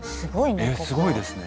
えっすごいですね。